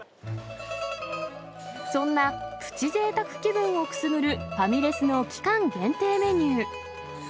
そんなプチぜいたく気分をくすぐるファミレスの期間限定メニュー。